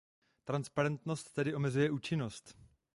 Transparentnost tedy omezuje účinnost.